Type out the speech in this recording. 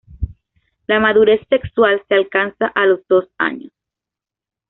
La madurez sexual se alcanza a los dos años.